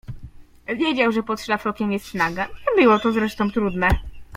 Wiedział, że pod szlafrokiem jest naga, nie było to zresztą trudne.